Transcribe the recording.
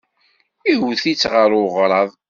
Iwet-itt ɣer uɣrab.